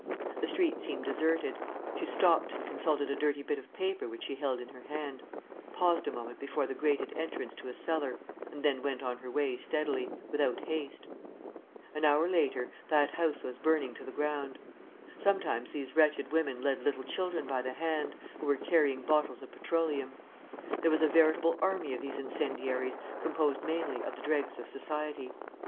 The street seemed deserted. She stopped and consulted a dirty bit of paper which she held in her hand, paused a moment before the grated entrance to a cellar, and then went on her way steadily, without haste. An hour after, that house was burning to the ground. Sometimes these wretched women led little children by the hand, who were carrying bottles of petroleum. There was a veritable army of these incendiaries, composed mainly of the dregs of society.